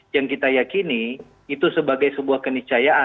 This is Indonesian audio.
yang kita yakini itu sebagai sebuah keniscayaan